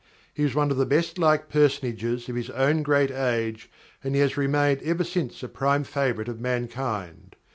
He was one of the best liked personages of his own great age, and he has remained ever since a prime favourite of mankind.